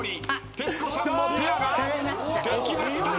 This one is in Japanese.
徹子さんのペアができました。